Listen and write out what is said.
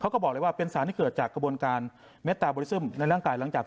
เขาก็บอกเลยว่าเป็นสารที่เกิดจากกระบวนการเมตตาบริสุทธิ์ผลิติแขนอุณหลงจาก